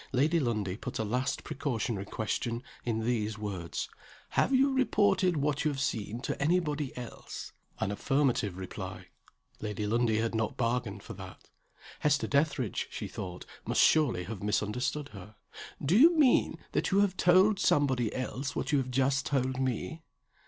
Lady Lundie put a last precautionary question, in these words: "Have you reported what you have seen to any body else?" An affirmative reply. Lady Lundie had not bargained for that. Hester Dethridge (she thought) must surely have misunderstood her. "Do you mean that you have told somebody else what you have just told me?"